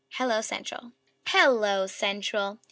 _ "HELLO CENTRAL!" "_Hello Central!